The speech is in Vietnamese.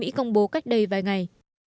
quân đội mỹ công bố cách đây vài ngày